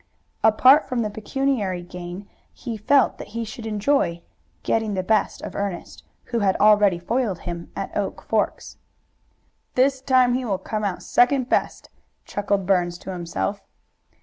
Apart from the pecuniary gain he felt that he should enjoy getting the best of Ernest, who had already foiled him at Oak Forks. "This time he will come out second best," chuckled Burns to himself.